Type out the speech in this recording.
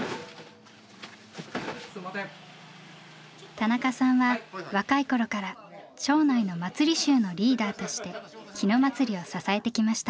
田中さんは若い頃から町内の祭り衆のリーダーとして日野祭を支えてきました。